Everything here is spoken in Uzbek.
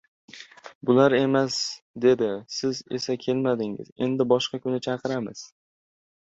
Bular emas, dedi. Siz esa kelmadingiz. Endi boshqa kun chaqiramiz.